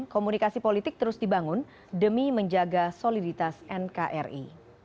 komunikasi politik terus dibangun demi menjaga soliditas nkri